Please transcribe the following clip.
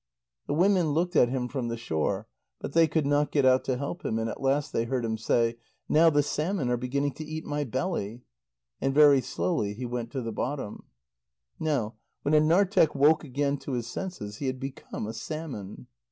The women looked at him from the shore, but they could not get out to help him, and at last they heard him say: "Now the salmon are beginning to eat my belly." And very slowly he went to the bottom. Now when Anarteq woke again to his senses, he had become a salmon.